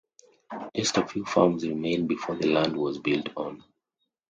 Just a few farms remained before the land was built on.